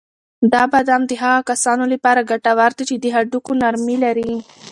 دا بادام د هغو کسانو لپاره ګټور دي چې د هډوکو نرمي لري.